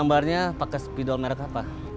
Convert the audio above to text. gambarnya pakai spidol merek apa